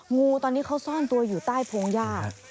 งูตอนนี้เขาซ่อนตัวอยู่ใต้พงหญ้า